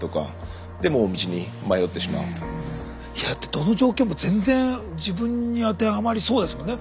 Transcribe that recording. どの状況も全然自分に当てはまりそうですもんね。